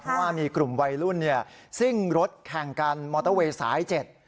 เพราะว่ามีกลุ่มวัยรุ่นเนี่ยซิ่งรถแข่งกันมอเตอร์เวย์สายเจ็ด